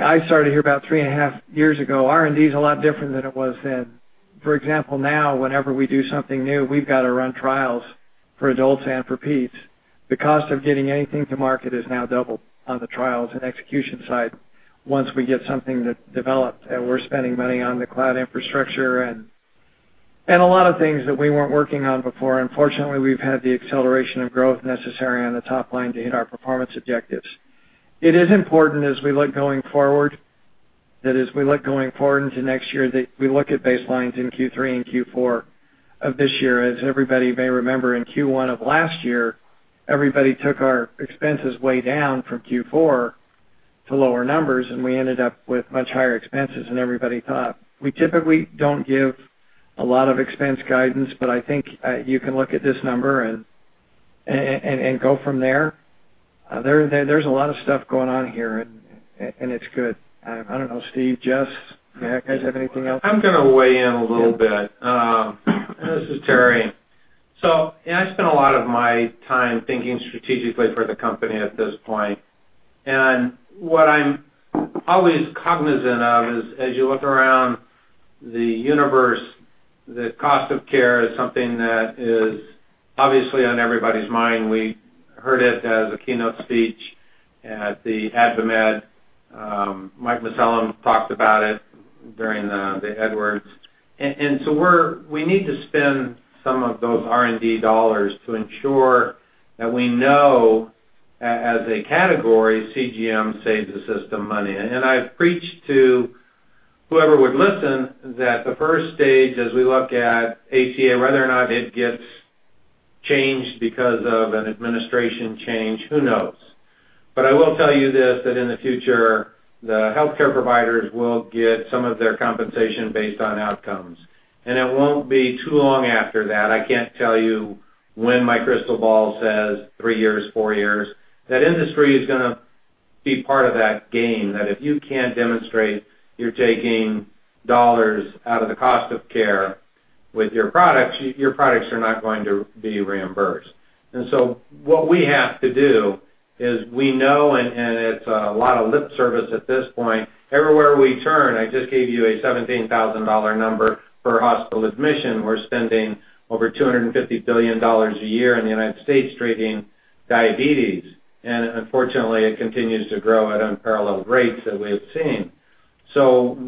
I started here about 3.5 years ago. R&D is a lot different than it was then. For example, now whenever we do something new, we've gotta run trials for adults and for peds. The cost of getting anything to market is now double on the trials and execution side once we get something that developed. We're spending money on the cloud infrastructure and a lot of things that we weren't working on before. Fortunately, we've had the acceleration of growth necessary on the top line to hit our performance objectives. It is important as we look going forward into next year, that we look at baselines in Q3 and Q4 of this year. Everybody may remember in Q1 of last year, everybody took our expenses way down from Q4 to lower numbers, and we ended up with much higher expenses than everybody thought. We typically don't give a lot of expense guidance, but I think you can look at this number and go from there. There's a lot of stuff going on here, and it's good. I don't know. Steve, Jess, do you guys have anything else? I'm gonna weigh in a little bit. This is Terry. I spend a lot of my time thinking strategically for the company at this point. What I'm always cognizant of is, as you look around the universe, the cost of care is something that is obviously on everybody's mind. We heard it as a keynote speech at the AdvaMed. Mike Mussallem talked about it during the Edwards. We need to spend some of those R&D dollars to ensure that we know as a category, CGM saves the system money. I've preached to whoever would listen that the first stage as we look at ACA, whether or not it gets changed because of an administration change, who knows? I will tell you this, that in the future, the healthcare providers will get some of their compensation based on outcomes. It won't be too long after that. I can't tell you when my crystal ball says three years, four years, that industry is gonna be part of that game, that if you can't demonstrate you're taking dollars out of the cost of care with your products, your products are not going to be reimbursed. What we have to do is we know, and it's a lot of lip service at this point, everywhere we turn, I just gave you a $17,000 number for hospital admission. We're spending over $250 billion a year in the United States treating diabetes, and unfortunately it continues to grow at unparalleled rates that we have seen.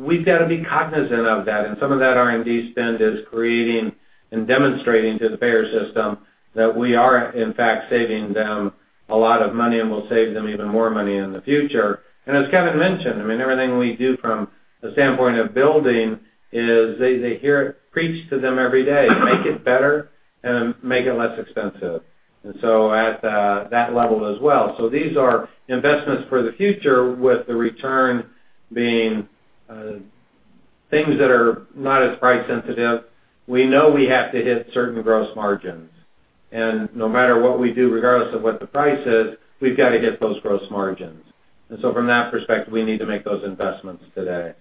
We've gotta be cognizant of that, and some of that R&D spend is creating and demonstrating to the payer system that we are in fact saving them a lot of money and will save them even more money in the future. As Kevin mentioned, I mean, everything we do from the standpoint of building is they hear it preached to them every day, make it better and make it less expensive. At that level as well. These are investments for the future with the return being things that are not as price sensitive. We know we have to hit certain gross margins. No matter what we do, regardless of what the price is, we've got to hit those gross margins. From that perspective, we need to make those investments today.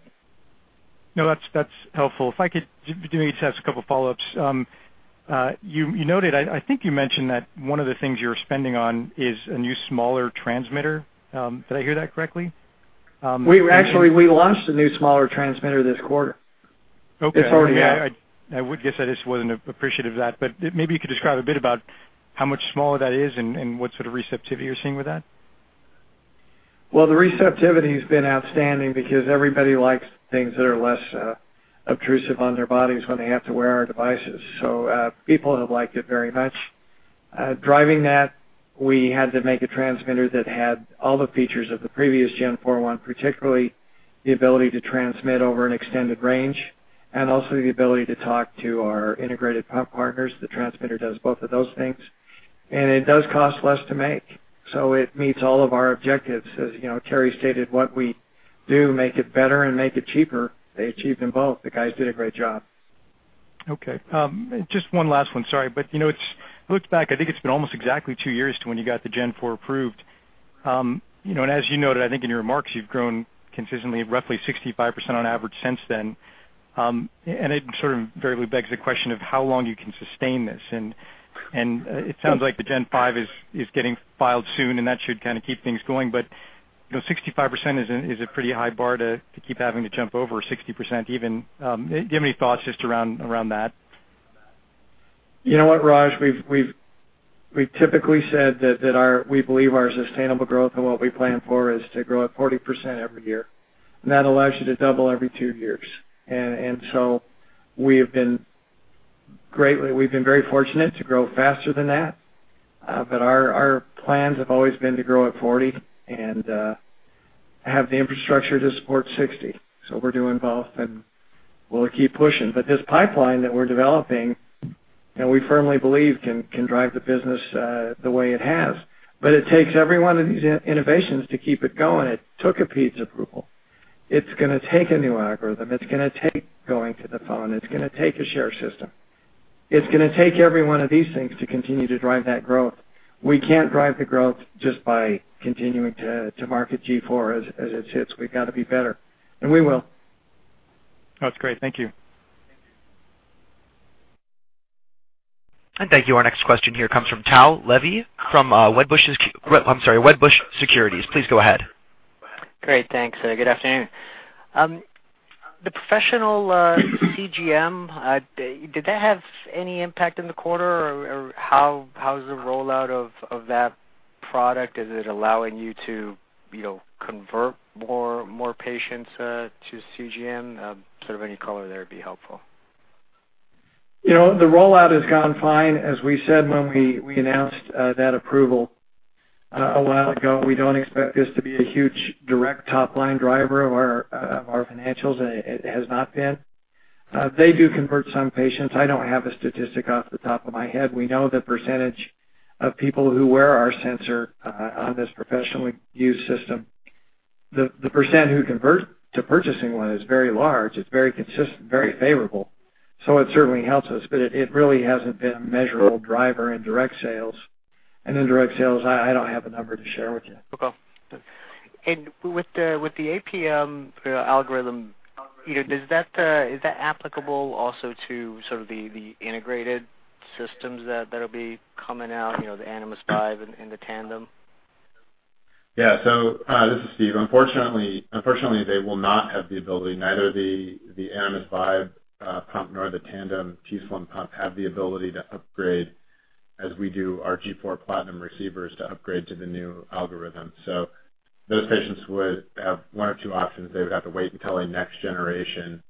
No, that's helpful. If I could just ask a couple follow-ups. You noted, I think you mentioned that one of the things you're spending on is a new smaller transmitter. Did I hear that correctly? We actually launched a new smaller transmitter this quarter. Okay. It's already out. I would guess I just wasn't appreciative of that. Maybe you could describe a bit about how much smaller that is and what sort of receptivity you're seeing with that? Well, the receptivity has been outstanding because everybody likes things that are less obtrusive on their bodies when they have to wear our devices. People have liked it very much. Driving that, we had to make a transmitter that had all the features of the previous G4 one, particularly the ability to transmit over an extended range and also the ability to talk to our integrated pump partners. The transmitter does both of those things. It does cost less to make, so it meets all of our objectives. As you know, Terry stated, what we do make it better and make it cheaper. They achieved them both. The guys did a great job. Okay. Just one last one. Sorry. You know, I looked back. I think it's been almost exactly two years to when you got the G4 approved. You know, and as you noted, I think in your remarks, you've grown consistently roughly 65% on average since then. It sort of variably begs the question of how long you can sustain this. It sounds like the G5 is getting filed soon, and that should kind of keep things going. You know, 65% is a pretty high bar to keep having to jump over 60% even. Do you have any thoughts just around that? You know what, Raj? We've typically said we believe our sustainable growth and what we plan for is to grow at 40% every year, and that allows you to double every two years. We've been very fortunate to grow faster than that. Our plans have always been to grow at 40% and have the infrastructure to support 60%. We're doing both, and we'll keep pushing. This pipeline that we're developing, you know, we firmly believe can drive the business the way it has. It takes every one of these innovations to keep it going. It took a peds approval. It's gonna take a new algorithm. It's gonna take going to the phone. It's gonna take a share system. It's gonna take every one of these things to continue to drive that growth. We can't drive the growth just by continuing to market G4 as it sits. We've got to be better, and we will. That's great. Thank you. Thank you. Our next question here comes from Tao Levy from Wedbush Securities. Please go ahead. Great, thanks. Good afternoon. The professional CGM, did that have any impact in the quarter? Or how's the rollout of that product? Is it allowing you to, you know, convert more patients to CGM? Sort of any color there would be helpful. You know, the rollout has gone fine. As we said when we announced that approval a while ago, we don't expect this to be a huge direct top-line driver of our financials. It has not been. They do convert some patients. I don't have a statistic off the top of my head. We know the percentage of people who wear our sensor on this professionally used system. The percent who convert to purchasing one is very large. It's very consistent, very favorable. So it certainly helps us, but it really hasn't been a measurable driver in direct sales. In direct sales, I don't have a number to share with you. Okay. With the APM algorithm, you know, is that applicable also to sort of the integrated systems that'll be coming out, you know, the Animas Vibe and the Tandem? Yeah, this is Steve. Unfortunately, they will not have the ability, neither the Animas Vibe pump nor the Tandem t:slim pump have the ability to upgrade as we do our G4 Platinum receivers to upgrade to the new algorithm. Those patients would have one or two options. They would have to wait until a next generation,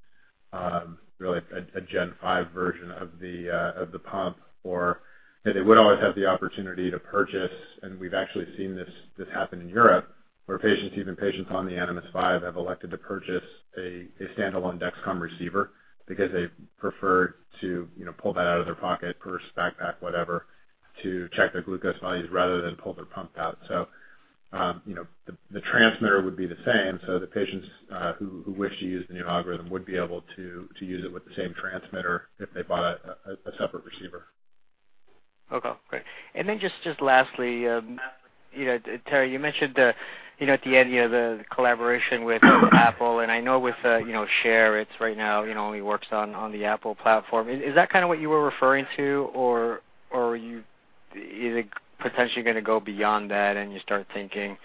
really a G5 version of the pump, or they would always have the opportunity to purchase, and we've actually seen this happen in Europe, where patients, even patients on the Animas Vibe, have elected to purchase a standalone Dexcom receiver because they prefer to, you know, pull that out of their pocket, purse, backpack, whatever, to check their glucose values rather than pull their pump out. You know, the transmitter would be the same. The patients who wish to use the new algorithm would be able to use it with the same transmitter if they bought a separate receiver. Okay, great. Just lastly, you know, Terry, you mentioned you know, at the end, you know, the collaboration with Apple, and I know with the, you know, Share right now, you know, only works on the Apple platform. Is that kind of what you were referring to, or are you either potentially gonna go beyond that and you start thinking,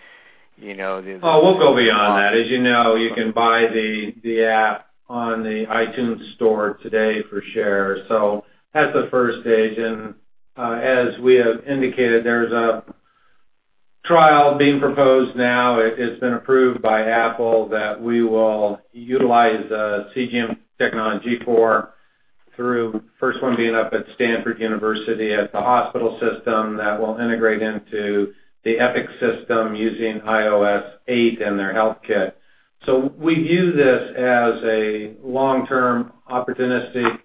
you know, the- Oh, we'll go beyond that. As you know, you can buy the app on the iTunes store today for Share. So that's the first stage. As we have indicated, there's a trial being proposed now. It's been approved by Apple that we will utilize CGM technology G4 through first one being up at Stanford University at the hospital system that will integrate into the Epic system using iOS 8 and their HealthKit. So we view this as a long-term opportunistic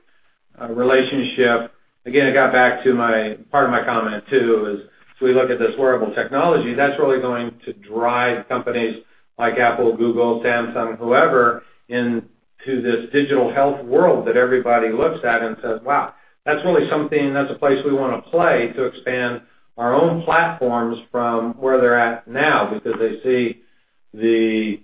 relationship. Again, it got back to my part of my comment too is as we look at this wearable technology, that's really going to drive companies like Apple, Google, Samsung, whoever, into this digital health world that everybody looks at and says, "Wow, that's really something. That's a place we wanna play to expand our own platforms from where they're at now." Because they see the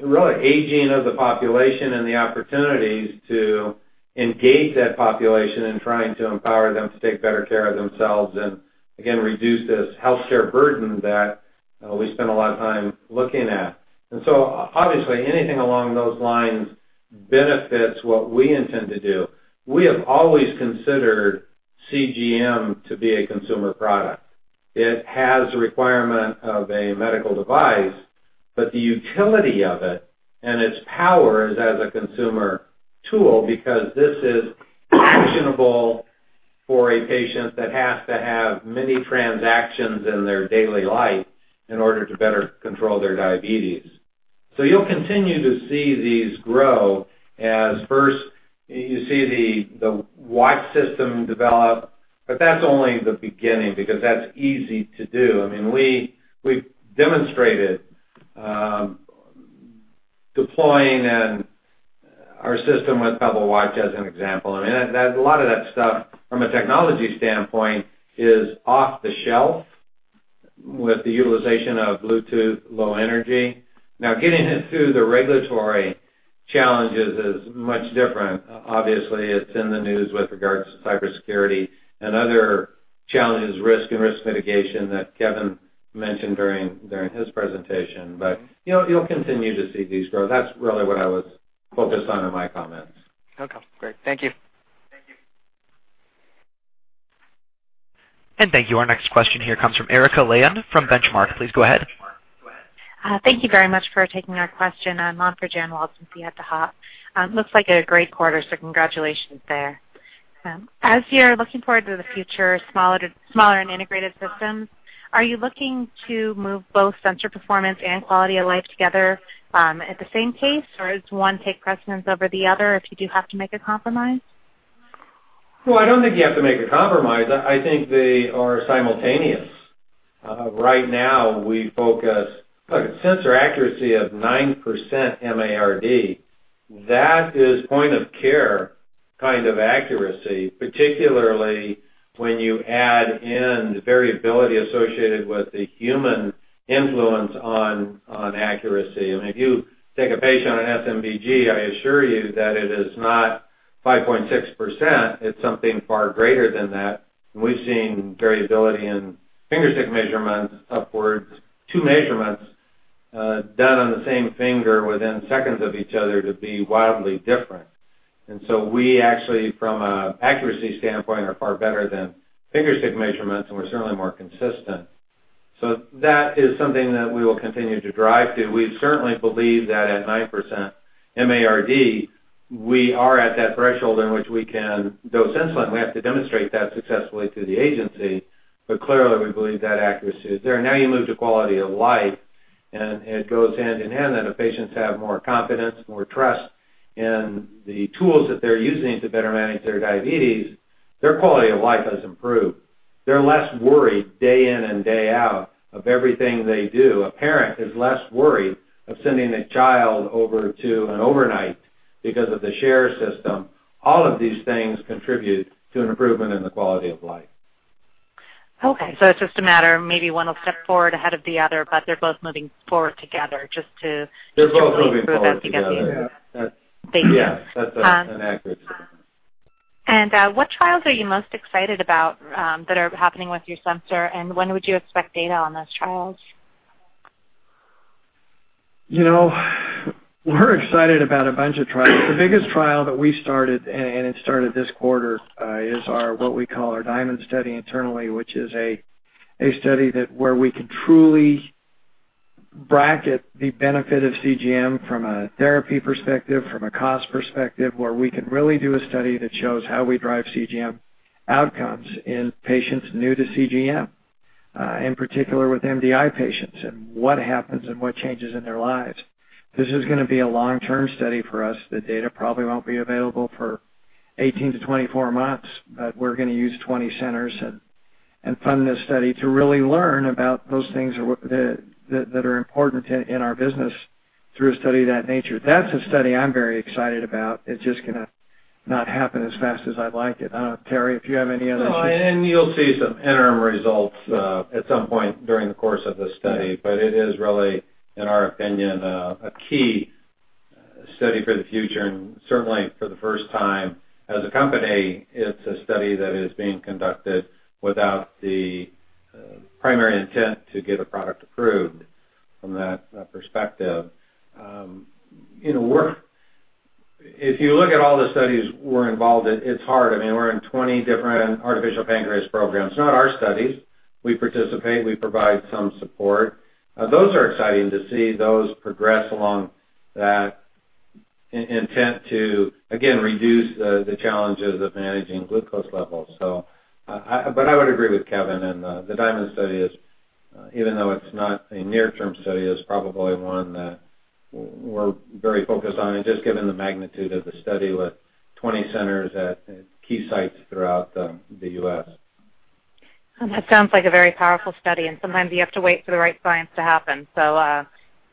really aging of the population and the opportunities to engage that population in trying to empower them to take better care of themselves and again, reduce this healthcare burden that we spend a lot of time looking at. Obviously, anything along those lines benefits what we intend to do. We have always considered CGM to be a consumer product. It has a requirement of a medical device, but the utility of it and its power is as a consumer tool because this is actionable for a patient that has to have many transactions in their daily life in order to better control their diabetes. You'll continue to see these grow as first you see the watch system develop, but that's only the beginning because that's easy to do. I mean, we've demonstrated deploying our system with Pebble Watch as an example. I mean, a lot of that stuff from a technology standpoint is off the shelf with the utilization of Bluetooth Low Energy. Now, getting it through the regulatory challenges is much different. Obviously, it's in the news with regards to cybersecurity and other challenges, risk and risk mitigation that Kevin mentioned during his presentation. You know, you'll continue to see these grow. That's really what I was focused on in my comments. Okay, great. Thank you. Thank you. Our next question here comes from Erica Leon from Benchmark. Please go ahead. Thank you very much for taking our question. I'm on for Jan Wald. She had to hop. Looks like a great quarter, so congratulations there. As you're looking forward to the future, smaller and integrated systems, are you looking to move both sensor performance and quality of life together at the same pace? Or does one take precedence over the other if you do have to make a compromise? Well, I don't think you have to make a compromise. I think they are simultaneous. Right now, look, sensor accuracy of 9% MARD. That is point of care kind of accuracy, particularly when you add in variability associated with the human influence on accuracy. I mean, if you take a patient on an SMBG, I assure you that it is not 5.6%. It's something far greater than that. We've seen variability in finger stick measurements upwards of two measurements done on the same finger within seconds of each other to be wildly different. We actually from a accuracy standpoint are far better than finger stick measurements, and we're certainly more consistent. That is something that we will continue to drive to. We certainly believe that at 9% MARD, we are at that threshold in which we can dose insulin. We have to demonstrate that successfully through the agency, but clearly, we believe that accuracy is there. Now you move to quality of life, and it goes hand in hand that if patients have more confidence, more trust in the tools that they're using to better manage their diabetes, their quality of life has improved. They're less worried day in and day out of everything they do. A parent is less worried of sending a child over to an overnight because of the share system. All of these things contribute to an improvement in the quality of life. It's just a matter of maybe one will step forward ahead of the other, but they're both moving forward together just to. They're both moving forward together. Make progress because you Yes. That's an accurate statement. What trials are you most excited about, that are happening with your sensor? When would you expect data on those trials? You know, we're excited about a bunch of trials. The biggest trial that we started, and it started this quarter, is our, what we call our DIaMonD study internally, which is a study where we can truly bracket the benefit of CGM from a therapy perspective, from a cost perspective, where we can really do a study that shows how we drive CGM outcomes in patients new to CGM, in particular with MDI patients and what happens and what changes in their lives. This is gonna be a long-term study for us. The data probably won't be available for 18-24 months, but we're gonna use 20 centers and fund this study to really learn about those things that are important in our business through a study of that nature. That's a study I'm very excited about. It's just gonna not happen as fast as I'd like it. I don't know, Terry, if you have any other? No. You'll see some interim results, at some point during the course of this study. Yeah. It is really, in our opinion, a key study for the future. Certainly for the first time as a company, it is a study that is being conducted without the primary intent to get a product approved from that perspective. You know, if you look at all the studies we are involved in, it is hard. I mean, we are in 20 different artificial pancreas programs. Not our studies. We participate, we provide some support. Those are exciting to see those progress along that intent to, again, reduce the challenges of managing glucose levels. I would agree with Kevin, and the DIaMonD study is, even though it is not a near-term study, probably one that we are very focused on and just given the magnitude of the study with 20 centers at key sites throughout the US. That sounds like a very powerful study, and sometimes you have to wait for the right science to happen. So,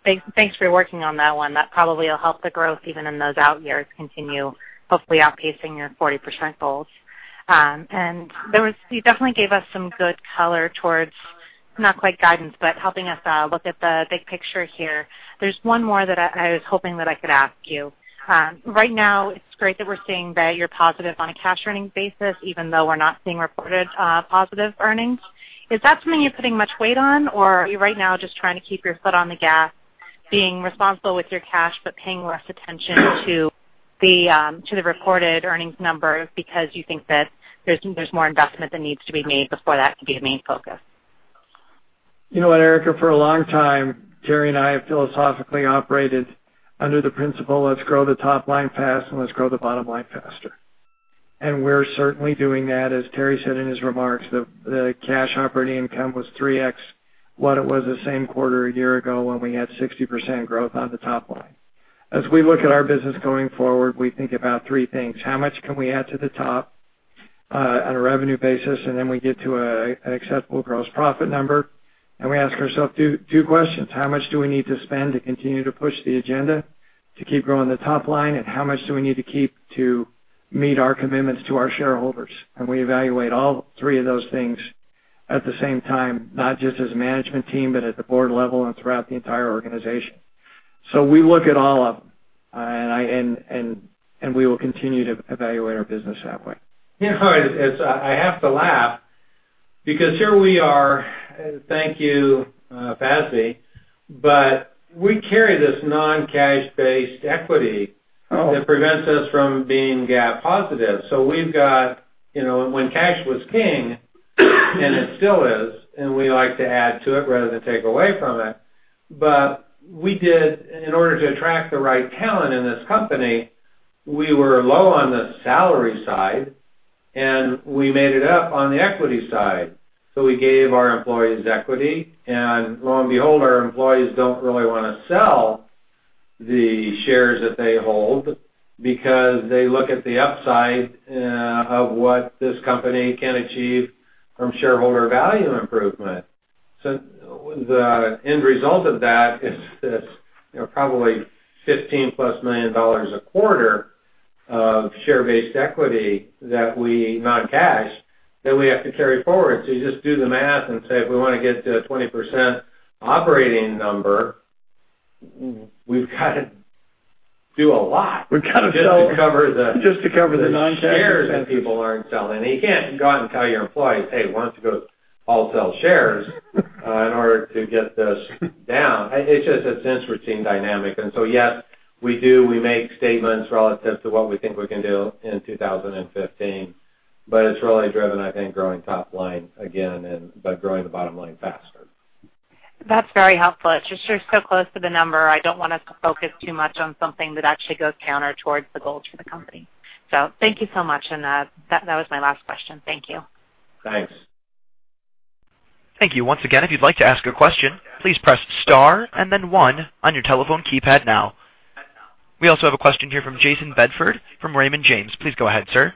thanks for working on that one. That probably will help the growth even in those out years continue, hopefully outpacing your 40% goals. You definitely gave us some good color towards not quite guidance, but helping us look at the big picture here. There's one more that I was hoping that I could ask you. Right now it's great that we're seeing that you're positive on a cash earnings basis, even though we're not seeing reported positive earnings. Is that something you're putting much weight on? Are you right now just trying to keep your foot on the gas, being responsible with your cash, but paying less attention to the reported earnings numbers because you think that there's more investment that needs to be made before that can be a main focus? You know what, Erica? For a long time, Terry and I have philosophically operated under the principle, let's grow the top line fast and let's grow the bottom line faster. We're certainly doing that. As Terry said in his remarks, the cash operating income was 3x what it was the same quarter a year ago when we had 60% growth on the top line. As we look at our business going forward, we think about three things. How much can we add to the top, on a revenue basis? Then we get to an acceptable gross profit number, and we ask ourselves two questions. How much do we need to spend to continue to push the agenda to keep growing the top line? How much do we need to keep to meet our commitments to our shareholders? We evaluate all three of those things at the same time, not just as a management team, but at the board level and throughout the entire organization. We look at all of them. We will continue to evaluate our business that way. You know, I have to laugh because here we are. Thank you, Patsy. We carry this non-cash based equity that prevents us from being GAAP positive. We've got, you know, when cash was king and it still is, and we like to add to it rather than take away from it. In order to attract the right talent in this company, we were low on the salary side, and we made it up on the equity side. We gave our employees equity. Lo and behold, our employees don't really wanna sell the shares that they hold because they look at the upside of what this company can achieve from shareholder value improvement. The end result of that is this probably $15+ million a quarter of share-based equity that we non-cash that we have to carry forward. You just do the math and say if we wanna get to a 20% operating number, we've got to do a lot. We've got to sell. Just to cover the. Just to cover the non-cash. Shares that people aren't selling. You can't go out and tell your employees, "Hey, why don't you go and sell shares in order to get this down?" It's just an interesting dynamic. Yes, we do. We make statements relative to what we think we can do in 2015. It's really driven, I think, growing top line again and by growing the bottom line faster. That's very helpful. It's just you're so close to the number. I don't want us to focus too much on something that actually goes counter towards the goals for the company. Thank you so much. That was my last question. Thank you. Thanks. Thank you. Once again, if you'd like to ask a question, please press star and then one on your telephone keypad now. We also have a question here from Jayson Bedford from Raymond James. Please go ahead, sir.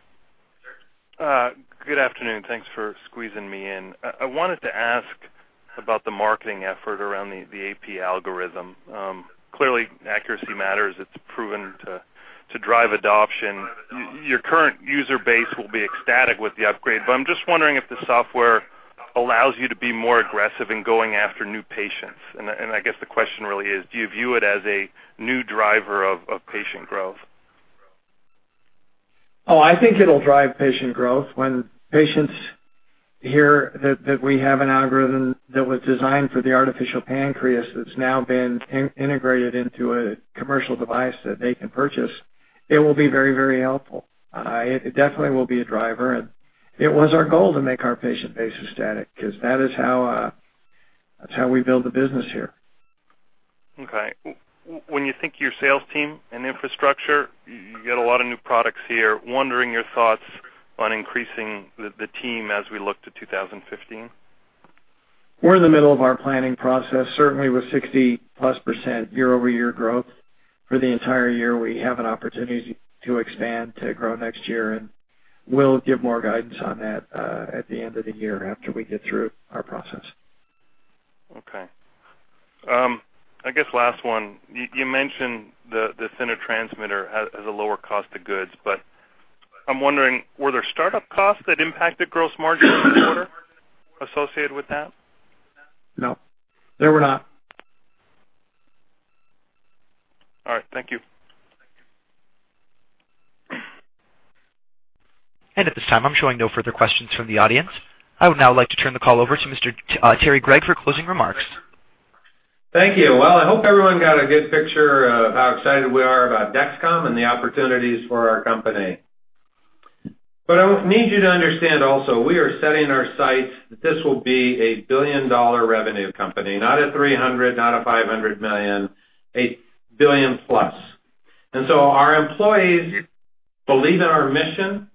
Good afternoon. Thanks for squeezing me in. I wanted to ask about the marketing effort around the AP algorithm. Clearly, accuracy matters. It's proven to drive adoption. Your current user base will be ecstatic with the upgrade, but I'm just wondering if the software allows you to be more aggressive in going after new patients. I guess the question really is: Do you view it as a new driver of patient growth? I think it'll drive patient growth. When patients hear that we have an algorithm that was designed for the artificial pancreas that's now been integrated into a commercial device that they can purchase, it will be very, very helpful. It definitely will be a driver, and it was our goal to make our patient base ecstatic, 'cause that is how, that's how we build the business here. Okay. When you think your sales team and infrastructure, you got a lot of new products here. Wondering your thoughts on increasing the team as we look to 2015. We're in the middle of our planning process. Certainly with 60%+ year-over-year growth for the entire year, we have an opportunity to expand, to grow next year, and we'll give more guidance on that at the end of the year after we get through our process. Okay. I guess last one. You mentioned the smaller transmitter has a lower cost of goods, but I'm wondering, were there startup costs that impacted gross margin in the quarter associated with that? No, there were not. All right. Thank you. At this time, I'm showing no further questions from the audience. I would now like to turn the call over to Mr. Terry Gregg for closing remarks. Thank you. Well, I hope everyone got a good picture of how excited we are about Dexcom and the opportunities for our company. I need you to understand also we are setting our sights that this will be a billion-dollar revenue company. Not a $300 million, not a $500 million, a billion plus. Our employees believe in our mission.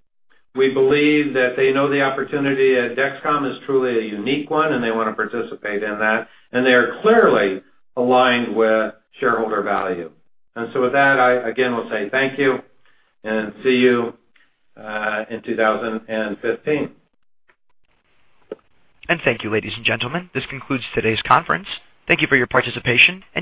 We believe that they know the opportunity at Dexcom is truly a unique one, and they wanna participate in that, and they are clearly aligned with shareholder value. With that, I again will say thank you and see you in 2015. Thank you, ladies and gentlemen. This concludes today's conference. Thank you for your participation, and you may